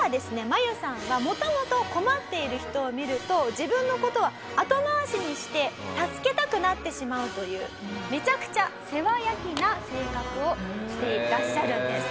マユさんはもともと困っている人を見ると自分の事は後回しにして助けたくなってしまうというめちゃくちゃ世話焼きな性格をしていらっしゃるんです。